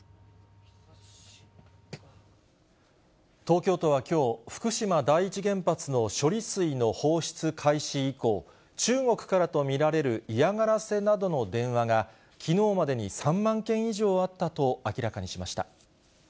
東京都はきょう、福島第一原発の処理水の放出開始以降、中国からと見られる嫌がらせなどの電話が、きのうまでに３万件以上あったと明らかにしました。